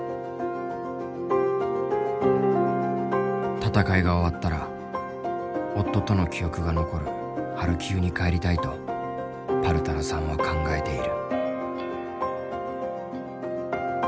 戦いが終わったら夫との記憶が残るハルキウに帰りたいとパルタラさんは考えている。